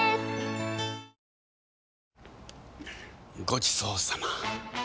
ごちそうさま！